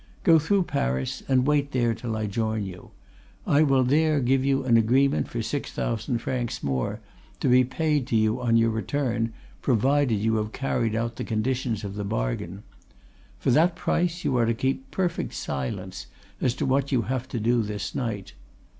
Go through Paris and wait there till I join you. I will there give you an agreement for six thousand francs more, to be paid to you on your return, provided you have carried out the conditions of the bargain. For that price you are to keep perfect silence as to what you have to do this night.